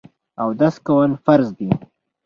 اودس کول فرض دي.